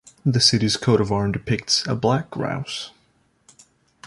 The city's coat of arms depicts a Black Grouse.